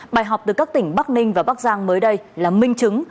bài học từ các tỉnh bắc ninh và bắc giang mới đây là minh chứng